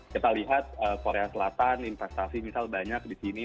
kita lihat korea selatan investasi misal banyak di sini